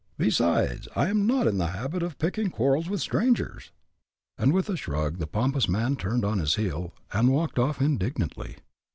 Besides, I am not in the habit of picking quarrels with strangers." And with a shrug, the pompous man turned on his heel, and walked off, indignantly.